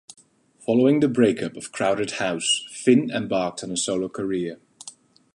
Following the breakup of Crowded House, Finn embarked on a solo career.